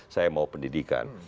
saya mau pendidikan